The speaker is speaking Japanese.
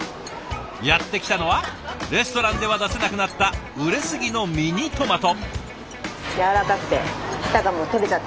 やって来たのはレストランでは出せなくなった熟れすぎのミニトマト。